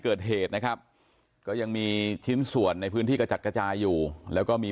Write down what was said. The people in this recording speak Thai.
เกิดเหตุนะครับก็ยังมีชิ้นส่วนในพื้นที่กระจัดกระจายอยู่แล้วก็มี